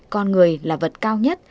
con người là vật cao nhất